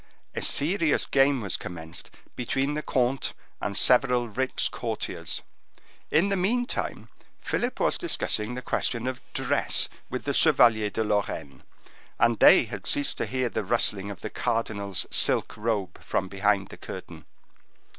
A serious game was commenced between the comte and several rich courtiers. In the meantime Philip was discussing the questions of dress with the Chevalier de Lorraine, and they had ceased to hear the rustling of the cardinal's silk robe from behind the curtain.